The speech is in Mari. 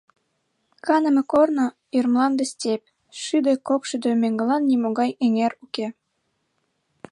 Каныме корно — ир мланде, степь; шӱдӧ, кок шӱдӧ меҥгылан нимогай эҥер уке.